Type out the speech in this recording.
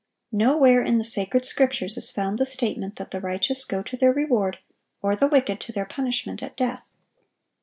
(978) Nowhere in the Sacred Scriptures is found the statement that the righteous go to their reward or the wicked to their punishment at death.